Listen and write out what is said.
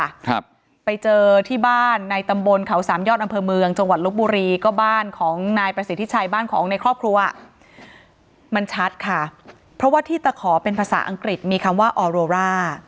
ครับไปเจอที่บ้านในตำบลเขาสามยอดอำเภอเมืองจังหวัดลบบุรีก็บ้านของนายประสิทธิชัยบ้านของในครอบครัวมันชัดค่ะเพราะว่าที่ตะขอเป็นภาษาอังกฤษมีคำว่าออโรร่า